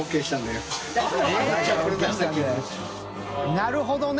なるほどね！